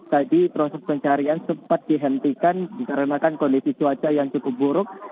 tadi proses pencarian sempat dihentikan dikarenakan kondisi cuaca yang cukup buruk